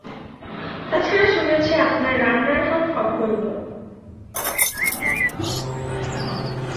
তা ছাড়া শুনেছি আপনার রান্নার হাত অপূর্ব।